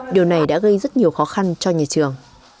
điều này đã gây rất nhiều khó khăn cho nhà trường